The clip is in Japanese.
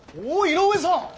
井上さん！